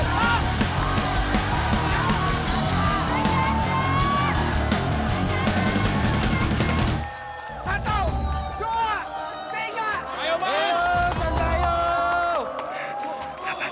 bang harus kuat bang